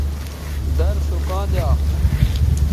در سو کاں دیا